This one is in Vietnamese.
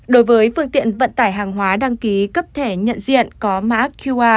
đối với phương tiện vận tải hàng hóa đăng ký cấp thẻ nhận diện có mã qr